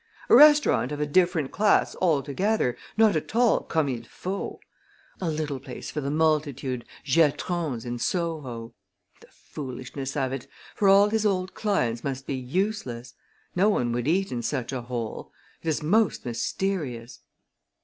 A restaurant of a different class altogether not at all comme il faut; a little place for the multitude Giatron's, in Soho. The foolishness of it for all his old clients must be useless! No one would eat in such a hole. It is most mysterious!"